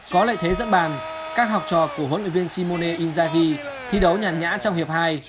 có lệ thế dẫn bàn các học trò của huấn luyện viên simone inzaghi thi đấu nhàn nhã trong hiệp hai